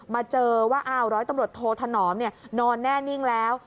มาเจอว่าอ้าวร้อยตำรวจโทธนอมนอนแน่นิ่งแล้ว